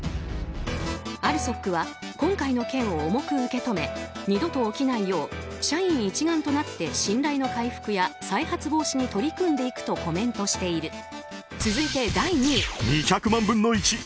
ＡＬＳＯＫは今回の件を重く受け止め二度と起きないよう社員一丸となって信頼の回復や再発防止に取り組んでいくとコメントしている。